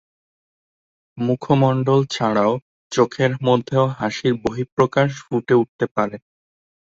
মুখমণ্ডল ছাড়াও চোখের মধ্যেও হাসির বহিঃপ্রকাশ ফুটে উঠতে পারে।